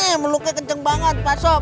nih melukai kenceng banget pak sop